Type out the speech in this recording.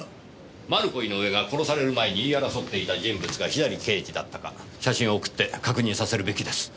マルコ・イノウエが殺される前に言い争っていた人物が左刑事だったか写真を送って確認させるべきです。